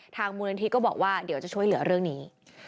มูลนิธิก็บอกว่าเดี๋ยวจะช่วยเหลือเรื่องนี้